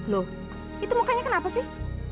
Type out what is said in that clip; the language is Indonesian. loh itu mukanya kenapa sih